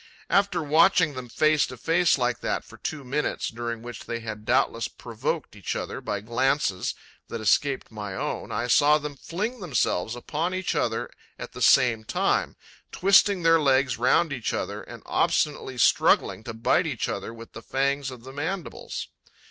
After watching them face to face like that for two minutes, during which they had doubtless provoked each other by glances that escaped my own, I saw them fling themselves upon each other at the same time, twisting their legs round each other and obstinately struggling to bite each other with the fangs of the mandibles.